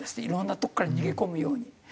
いろんなとこから逃げ込むように。